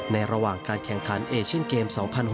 ระหว่างการแข่งขันเอเชียนเกม๒๐๖๐